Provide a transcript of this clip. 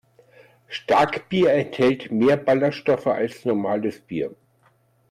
Starkbier enthält mehr Ballerstoffe als normales Bier.